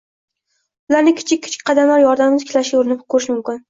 ularni kichik-kichik qadamlar yordamida tiklashga urinib ko‘rish mumkin.